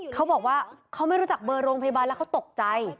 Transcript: เขาบอกว่าเขาไม่รู้จักเบอร์โรงพยาบาลแล้วเขาตกใจ